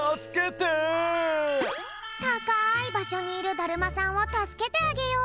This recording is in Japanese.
たかいばしょにいるだるまさんをたすけてあげよう！